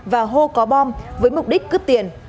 và hô có bom với mục đích cướp tiền